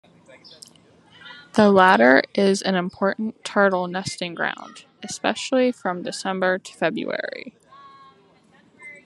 The latter is an important turtle nesting ground, especially from December to February.